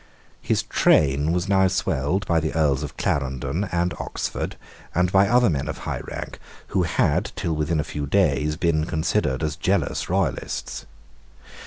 His train was now swelled by the Earls of Clarendon and Oxford, and by other men of high rank, who had, till within a few days, been considered as jealous Royalists.